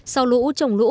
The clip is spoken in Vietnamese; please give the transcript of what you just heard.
sau lũ trồng lũ